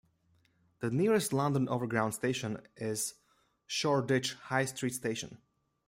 The nearest London Overground station is Shoreditch High Street station.